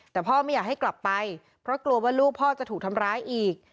แต่พ่อไม่อยากให้กลับไปเพราะกลัวว่าลูกพ่อจะถูกทำร้ายอีก